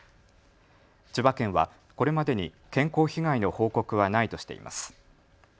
千葉県はこれまでに健康被害の報告はないとしています。